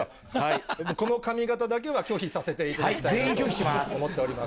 この髪形だけは拒否させていただきたいと思っております。